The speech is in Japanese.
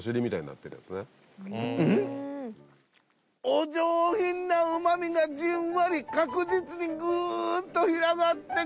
お上品なうま味がじんわり確実にぐっと広がってくる。